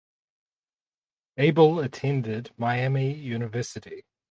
Abel attended Miami University.